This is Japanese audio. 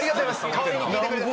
代わりに聞いてくれて。